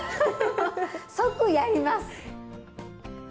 即やります！